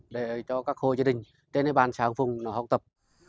để cho các khôi gia đình tên này bàn sáng phùng học tập